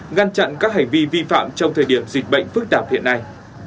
ngăn chặn các hành vi vi phạm trong thời điểm dịch bệnh phức tạp hiện nay